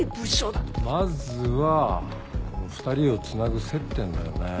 まずはこの２人をつなぐ接点だよね。